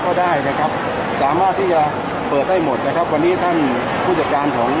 ก็ได้นะครับสามารถที่จะเปิดได้หมดนะครับวันนี้ท่านผู้จัดการของ